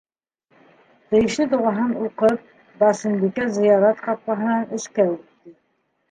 Тейешле доғаһын уҡып, Барсынбикә зыярат ҡапҡаһынан эскә үтте.